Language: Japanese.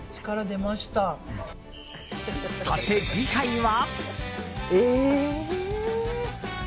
そして、次回は。